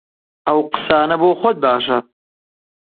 ئەو قسانە بۆ خۆت باشە!